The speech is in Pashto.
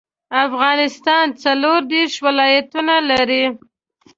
افغانستان څلوردیرش ولايتونه لري.